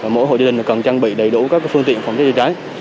mỗi hộ gia đình cần trang bị đầy đủ các phương tiện phòng cháy chữa cháy